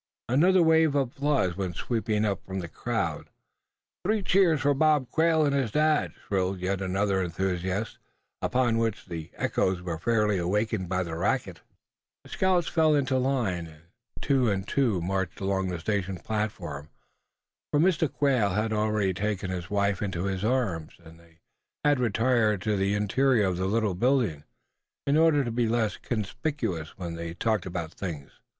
Another wave of applause went sweeping up from the crowd. "Three cheers for Bob Quail, and his dad!" shrilled yet another enthusiast; upon which the echoes were fairly awakened by the racket. The scouts fell into line, and two and two marched along the station platform; for Mr. Quail had already taken his wife into his arms, and they had retired to the interior of the little building, in order to be less conspicuous while they talked it all over.